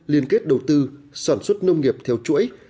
liên kết đầu tư sản xuất nông nghiệp theo chuỗi